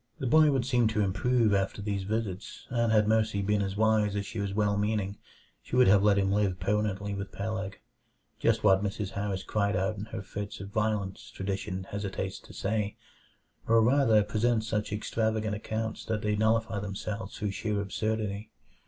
The boy would seem to improve after these visits, and had Mercy been as wise as she was well meaning, she would have let him live permanently with Peleg. Just what Mrs. Harris cried out in her fits of violence, tradition hesitates to say; or rather, presents such extravagant accounts that they nullify themselves through sheer absurdity.